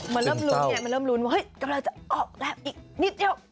มันเริ่มลุ้นไงมันเริ่มลุ้นว่าเฮ้ยกำลังจะออกแล้วอีกนิดเดียว